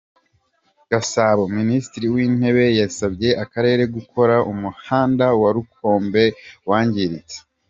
Gasabo Minisitiri w’Intebe yasabye Akarere gukora umuhanda wa Rukombe wangiritse